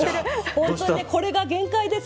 本当にこれが限界です。